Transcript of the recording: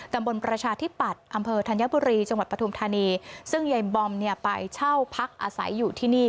ดำบลประชาธิปดิ์อำเภอธัญกบุรีจังหวัดปฐุมธรรห์ซึ่งยายบอมไปเช่าพักอาศัยอยู่ที่นี่